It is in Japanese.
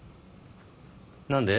何で？